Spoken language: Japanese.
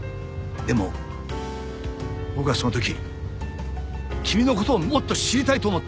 でも僕はその時君の事をもっと知りたいと思った。